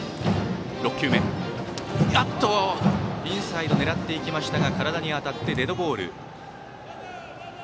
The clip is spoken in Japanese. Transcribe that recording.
インサイドを狙っていきましたが体に当たってデッドボール。